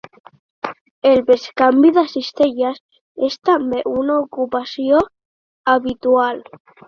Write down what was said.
El bescanvi de cistelles és també una ocupació habitual.